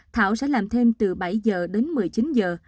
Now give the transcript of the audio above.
thảo sẽ làm thêm từ bảy giờ đến một mươi chín giờ